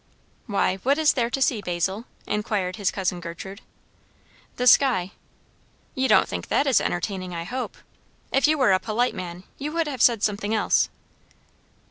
"Why, what is there to see, Basil?" inquired his cousin Gertrude. "The sky." "You don't think that is entertaining, I hope? If you were a polite man, you would have said something else."